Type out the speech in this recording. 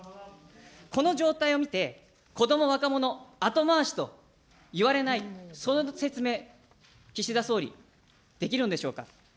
この状態を見て、子ども、若者後回しと言われない、そのご説明、岸田総理、できるのでしょうか。